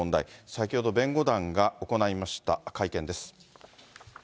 先ほど弁護団が行いました会見です。